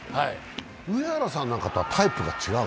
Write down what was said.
上原さんとはタイプが違う？